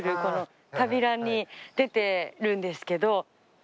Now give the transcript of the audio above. この「旅ラン」に出てるんですけど。